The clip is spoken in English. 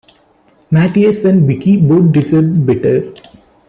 Matthius and Vickie both deserved better.